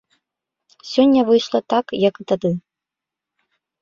Сёння выйшла так, як і тады.